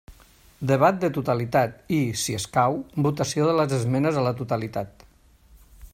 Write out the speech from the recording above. Debat de totalitat i, si escau, votació de les esmenes a la totalitat.